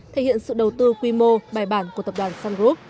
thể hiện sự đầu tư quy mô bài bản của tập đoàn sun group